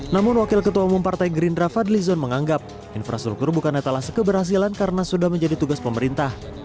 namun wakil ketua umum partai gerindra fadli zon menganggap infrastruktur bukan netalah sekeberhasilan karena sudah menjadi tugas pemerintah